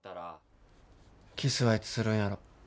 キスはいつするんやろ。